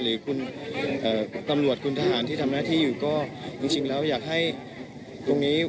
หรือคุณตำรวจคุณทหารที่ทำหน้าที่อยู่ก็จริงแล้วอยากให้ตรงนี้